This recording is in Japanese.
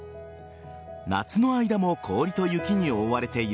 夏の間も氷と雪に覆われている